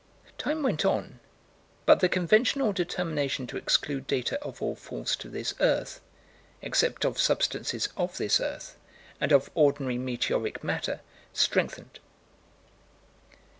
Time went on, but the conventional determination to exclude data of all falls to this earth, except of substances of this earth, and of ordinary meteoric matter, strengthened.